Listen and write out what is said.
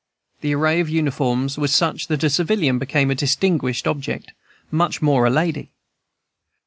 The array of uniforms was such that a civilian became a distinguished object, much more a lady.